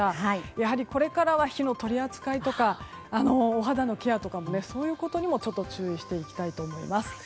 やはり、これからは火の取り扱いとかお肌のケアとかもそういうことにも注意していきたいと思います。